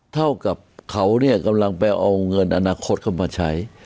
เท่ากับเขาเนี่ยกำลังไปเอาเงินอนาคตเข้ามาใช้